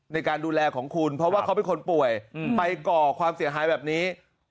ในการดูแลของคุณเพราะว่าเขาเป็นคนป่วยไปก่อความเสียหายแบบนี้